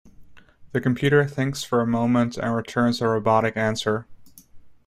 The computer thinks for a moment and returns a robotic answer.